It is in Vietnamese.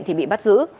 thì bị bắt giữ